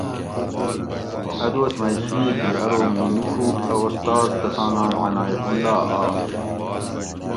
اۤ دوس مئ شید ہی اۤرو مُوں میڄوک اۤ استاز تساں نام عنایت اللہ آش